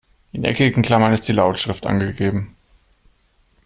In eckigen Klammern ist die Lautschrift angegeben.